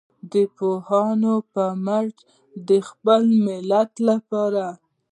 د پوهانو په مټ د خپل ملت لپاره.